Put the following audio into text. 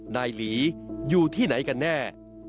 หลีอยู่ที่ไหนกันแน่